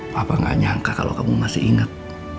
papa gak nyangka kalau kamu masih ingat